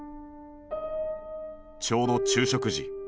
ちょうど昼食時。